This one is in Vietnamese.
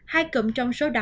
hai cụm trong số đó